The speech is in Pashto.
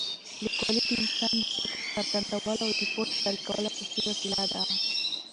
لیکوالي د انسان د فکر څرګندولو او د پوهې شریکولو اساسي وسیله ده.